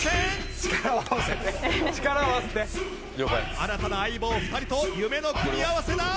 新たな相棒２人と夢の組み合わせだ！